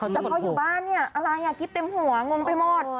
แต่พออยู่บ้านเนี้ยยิบเต็มหัวงงไปหมด